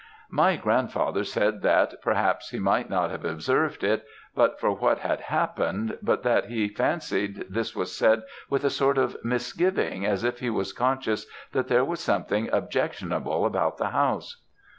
"My grandfather said that, perhaps, he might not have observed it but for what had happened, but that he fancied this was said with a sort of misgiving, as if he was conscious that there was something objectionable about the house.